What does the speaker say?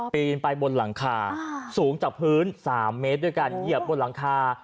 ปีนไปบนหลังคาสูงจากพื้น๓เมตรด้วยการเหยียบบนหลังคา